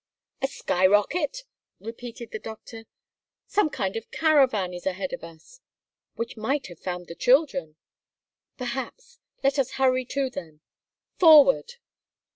"A sky rocket!" repeated the doctor. "Some kind of caravan is ahead of us." "Which might have found the children." "Perhaps. Let us hurry to them." "Forward!"